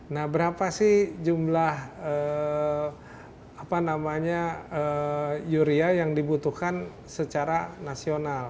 nah berapa sih jumlah yuria yang dibutuhkan secara nasional